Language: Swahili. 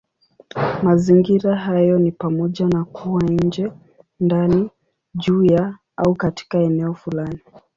Mazingira hayo ni pamoja na kuwa nje, ndani, juu ya, au katika eneo fulani.